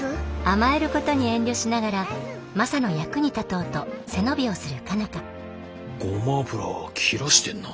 甘えることに遠慮しながらマサの役に立とうと背伸びをする佳奈花ゴマ油切らしてんな。